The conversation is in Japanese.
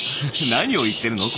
何を言ってるの？